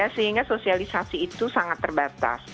sehingga sosialisasi itu sangat terbatas